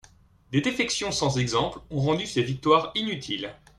Des défections sans exemple ont rendu ces victoires inutiles.